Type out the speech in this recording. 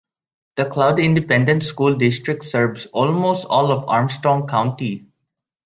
The Claude Independent School District serves almost all of Armstrong County.